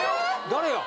誰や？